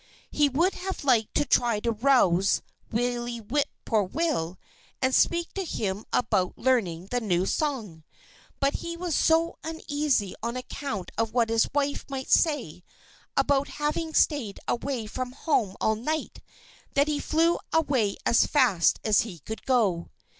He would have liked to try to rouse Willie Whip poor will and speak to him about learning the new song. But he was so uneasy on account of what his wife might say about his having stayed away from home all night that he flew away as fast as he could go.